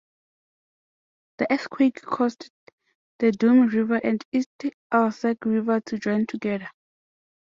The earthquake caused the Doame River and East Alsek River to join together.